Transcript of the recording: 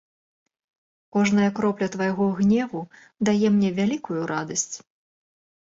Кожная кропля твайго гневу дае мне вялікую радасць.